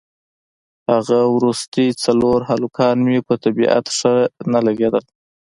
هغه وروستي څلور هلکان مې په طبیعت ښه نه لګېدل.